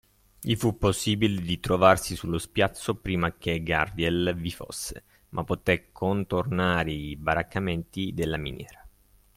gli fu possibile di trovarsi sullo spiazzo prima che Gardiel vi fosse, ma potè contornare i baraccamenti della miniera